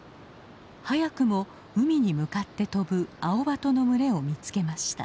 早くも海に向かって飛ぶアオバトの群れを見つけました。